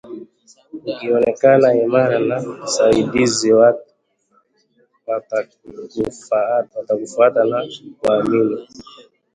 ukionekana imara na saidizi watu watakufuata na kukuamini